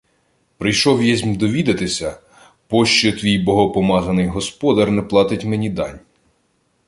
— Прийшов єсмь довідатися, пощо твій богопомазаний господар не платить мені дань.